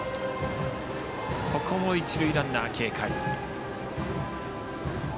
ここも一塁ランナー、警戒。